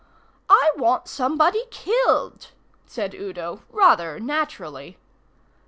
"I want somebody killed," said Udo, rather naturally.